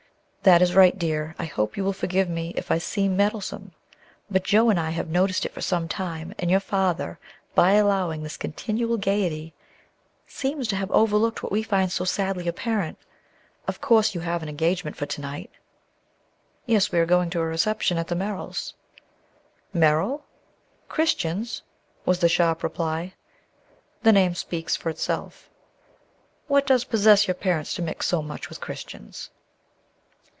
"That is right, dear. I hope you will forgive me if I seem meddlesome, but Jo and I have noticed it for some time; and your father, by allowing this continual gayety, seems to have overlooked what we find so sadly apparent. Of course you have an engagement for to night?" "Yes; we are going to a reception at the Merrills'." "Merrill? Christians?" was the sharp reply. "The name speaks for itself." "What does possess your parents to mix so much with Christians?"